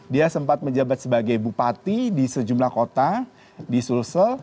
dia sempat menjabat sebagai bupati di sejumlah kota di sulsel